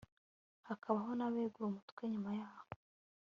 hakabaho n'abegura umutwe nyuma yawo